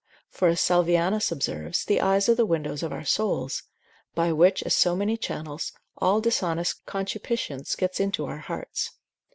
For as Salvianus observes, the eyes are the windows of our souls, by which as so many channels, all dishonest concupiscence gets into our hearts.